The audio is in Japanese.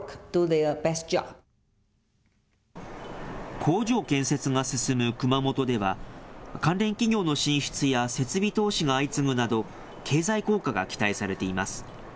工場建設が進む熊本では、関連企業の進出や設備投資が相次ぐなど、経済効果が期待されています。